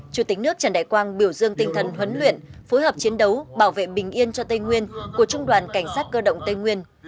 chủ tịch nước trần đại quang biểu dương tinh thần huấn luyện phối hợp chiến đấu bảo vệ bình yên cho tây nguyên của trung đoàn cảnh sát cơ động tây nguyên